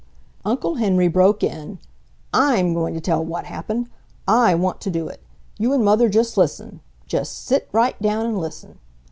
Uncle Henry broke in: "I'M going to tell what happened. I WANT to do it. You and Mother just listen, just sit right down and listen."